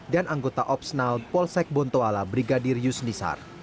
dan anggota opsional polsek bontoala brigadir yusnisar